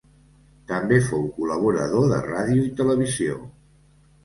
També fou col·laborador de ràdio i televisió.